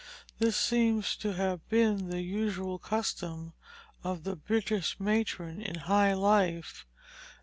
This seems to have been the usual custom of the British matron in high life.